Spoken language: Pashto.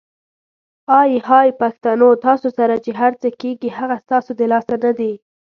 آی های پښتنو ! تاسو سره چې هرڅه کیږي هغه ستاسو د لاسه ندي؟!